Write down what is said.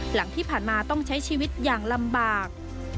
หลังที่ผ่านมาต้องใช้ชีวิตอย่างลำบาก